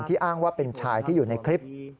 อ้างว่าเป็นชายที่อยู่ในคลิป